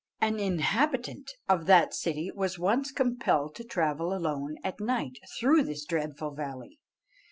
An inhabitant of that city was once compelled to travel alone at night through this dreadful valley.